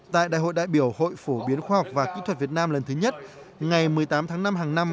tại đại hội đại biểu hội phổ biến khoa học và kỹ thuật việt nam lần thứ nhất ngày một mươi tám tháng năm hàng năm